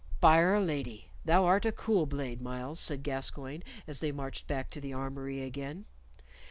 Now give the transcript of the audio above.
"By 'r Lady! thou art a cool blade, Myles," said Gascoyne, as they marched back to the armory again.